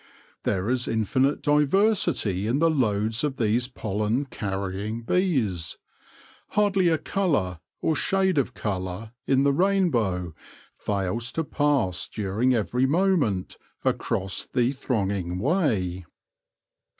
There is infinite diversity in the loads of these pollen carrying bees. Hardly a colour, or shade of colour, in the rainbow fails to pass during every moment across the thronging way.